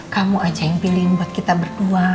kamu aja yang pilihin buat kita berdua